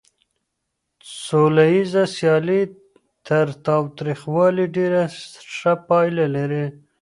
سوليزه سيالي تر تاوتريخوالي ډېره ښه پايله لري.